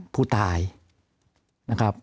ผู้ตายนะครับ